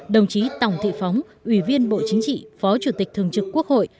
đồng chí tòng thị phóng ủy viên bộ chính trị phó chủ tịch thường trực quốc hội